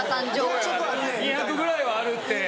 ２００ぐらいはあるって。